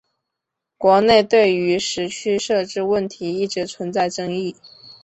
国内对于时区设置问题一直存在争议。